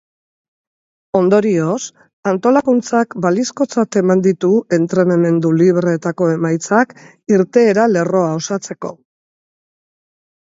Ondorioz, antolakuntzak balizkotzat eman ditu entrenamendu libreetako emaitzak irteera lerroa osatzeko.